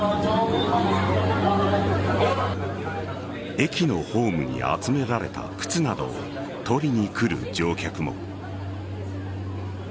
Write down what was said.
駅のホームに集められた靴などを取りにくる乗客も。